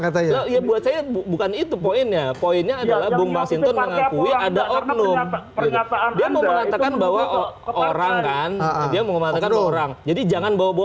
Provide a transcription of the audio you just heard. kita minta dulu penjelasan kau